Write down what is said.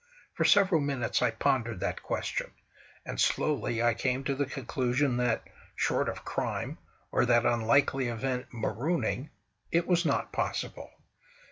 For several minutes I pondered that question; and slowly I came to the conclusion that, short of crime, or that unlikely event, marooning, it was not possible.